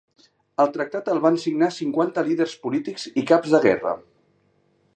El tractat el van signar cinquanta líders polítics i caps de guerra.